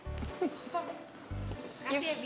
terima kasih ya bi